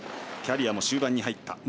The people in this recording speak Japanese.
キャリアも終盤に入った。